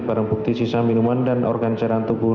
barang bukti sisa minuman dan organ cairan tubuh